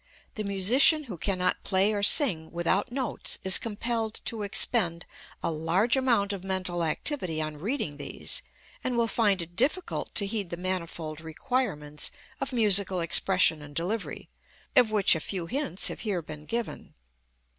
The musician who cannot play or sing without notes is compelled to expend a large amount of mental activity on reading these, and will find it difficult to heed the manifold requirements of musical expression and delivery, of which a few hints have here been given.